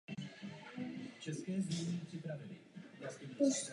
Stavba koleje se však tehdy téměř zastavila.